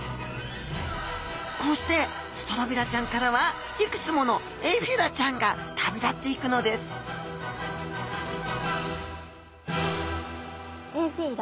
こうしてストロビラちゃんからはいくつものエフィラちゃんが旅立っていくのですエフィラ？